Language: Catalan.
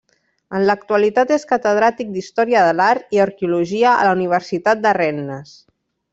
En l'actualitat és catedràtic d'Història de l'Art i Arqueologia a la Universitat de Rennes.